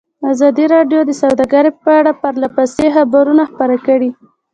ازادي راډیو د سوداګري په اړه پرله پسې خبرونه خپاره کړي.